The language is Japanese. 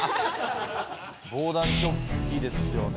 防弾チョッキですよね。